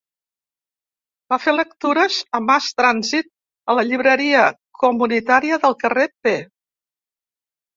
Va fer lectures a Mass Transit, a la llibreria comunitària del carrer P.